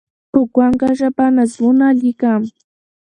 په ګونګه ژبه نظمونه لیکم